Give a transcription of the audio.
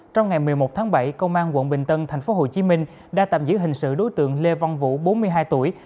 trong ngày một mươi một tháng bảy công an quận bình tân tp hcm đã tạm giữ hình sự đối tượng lê văn vũ bốn mươi hai tuổi